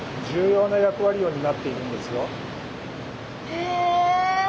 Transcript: へえ。